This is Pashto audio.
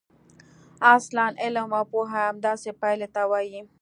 اصلاً علم او پوهه همداسې پایلې ته وايي.